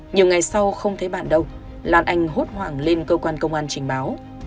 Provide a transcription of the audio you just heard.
nhiều ngày sau không thấy bạn đâu lan anh hốt hoảng lên cơ quan công an trình báo